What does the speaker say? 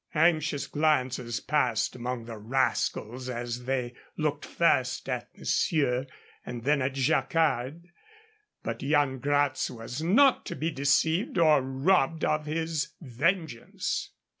Anxious glances passed among the rascals as they looked first at monsieur and then at Jacquard. But Yan Gratz was not to be deceived or robbed of his vengeance.